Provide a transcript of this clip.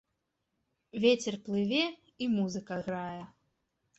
Вецер плыве, і музыка грае.